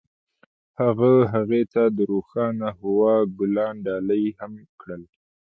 هغه هغې ته د روښانه هوا ګلان ډالۍ هم کړل.